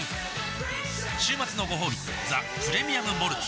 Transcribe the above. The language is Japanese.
週末のごほうび「ザ・プレミアム・モルツ」